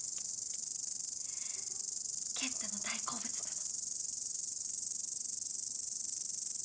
健太の大好物なの。